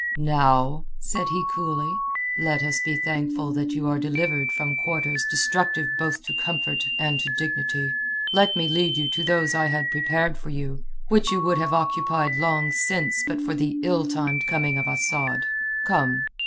"Now," said he coolly, "let us be thankful that you are delivered from quarters destructive both to comfort and to dignity. Let me lead you to those I had prepared for you, which you would have occupied long since but for the ill timed coming of Asad. Come."